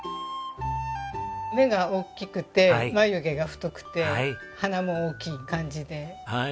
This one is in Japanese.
目が大きくて眉毛が太くて鼻も大きい感じで。